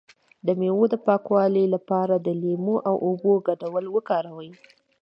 د میوو د پاکوالي لپاره د لیمو او اوبو ګډول وکاروئ